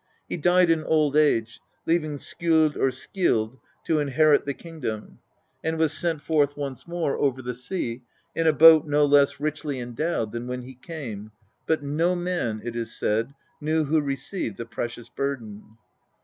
He died in old age, leaving Skjold or Scyld to inherit the kingdom, and was sent forth once more over the sea in a boat no less richly endowed than when he came, " but no man," it is said, " knew who received the precious burden."